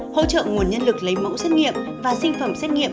hỗ trợ nguồn nhân lực lấy mẫu xét nghiệm và sinh phẩm xét nghiệm